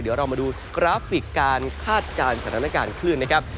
เดี๋ยวเรามาดูกราฟิกการคาดการณ์สถานการณ์คลื่นนะครับ